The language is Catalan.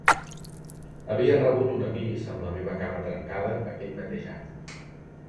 Havia rebut un avís amb la meva cama trencada aquell mateix any.